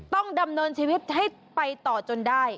ดำเนินชีวิตให้ไปต่อจนได้